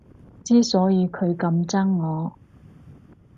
之所以佢咁憎我